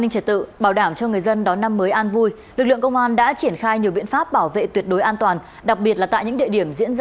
chào các đồng chí và gia đình